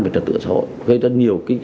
về trật tựa xã hội gây ra nhiều